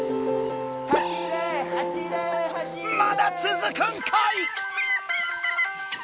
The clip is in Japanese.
まだつづくんかい！